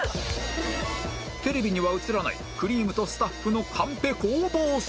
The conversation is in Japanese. テレビには映らないくりぃむとスタッフのカンペ攻防戦！